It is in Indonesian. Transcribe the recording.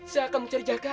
saya akan mencari jaka